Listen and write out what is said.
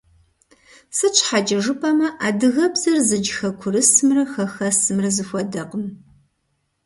Сыт щхьэкӀэ жыпӀэмэ, адыгэбзэр зыдж хэкурысымрэ хэхэсымрэ зэхуэдэкъым.